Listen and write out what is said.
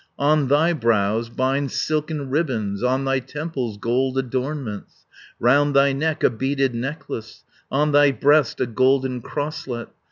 "On thy brows bind silken ribands On thy temples gold adornments, Round thy neck a beaded necklace, On thy breast a golden crosslet.